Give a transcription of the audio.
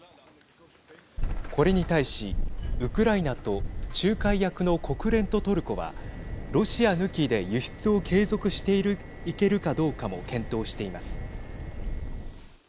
これに対しウクライナと仲介役の国連とトルコはロシア抜きで輸出を継続していけるかどうかも検討しています。